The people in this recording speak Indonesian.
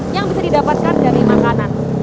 yang bisa didapatkan dari makanan